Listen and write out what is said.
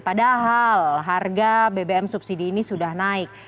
padahal harga bbm subsidi ini sudah naik